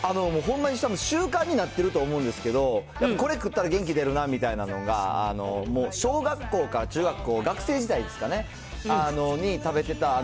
ほんまにたぶん、習慣になってると思うんですけど、これ食ったら元気出るなみたいなのが、もう、小学校から中学校、学生時代ですかね、食べてた、